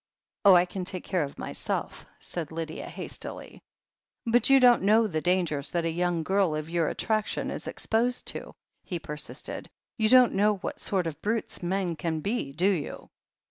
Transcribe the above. "Oh, I can take care of myself," said Lydia hastily. "But you don't know the dangers that a young girl of your attraction is exposed to," he persisted. "You don't know what sort of brutes men can be, do you